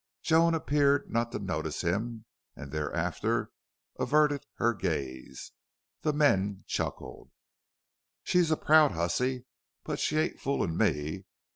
Joan appeared not to notice him, and thereafter averted; her gaze. The men chuckled. "She's the proud hussy! But she ain't foolin' me.